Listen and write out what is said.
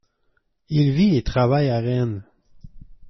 Il vit et travaille à Rennes.